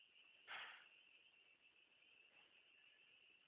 Na počátku existence československého státu zastával post ministra spravedlnosti.